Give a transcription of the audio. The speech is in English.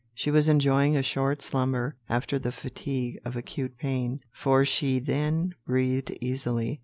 She was enjoying a short slumber after the fatigue of acute pain, for she then breathed easily.